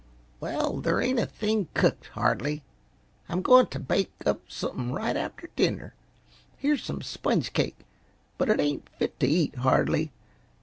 "Well, there ain't a thing cooked, hardly. I'm going t' bake up something right after dinner. Here's some sponge cake but it ain't fit t' eat, hardly.